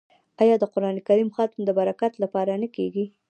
آیا د قران کریم ختم د برکت لپاره نه کیږي؟